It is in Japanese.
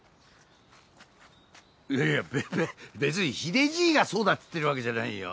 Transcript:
いやいやべべ別に秀じいがそうだっつってるわけじゃないよ。